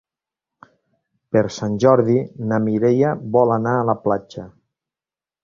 Per Sant Jordi na Mireia vol anar a la platja.